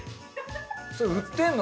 それ売ってるの？